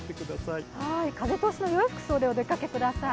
風通しのよい服装でお出かけください。